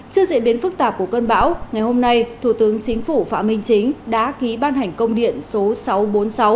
trước diễn biến phức tạp của cơn bão ngày hôm nay thủ tướng chính phủ phạm minh chính đã ký ban hành công điện số sáu trăm bốn mươi sáu